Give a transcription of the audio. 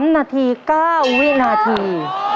๓นาที๙วินาที